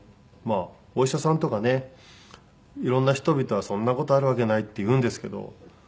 まあお医者さんとかねいろんな人々はそんな事あるわけないって言うんですけど。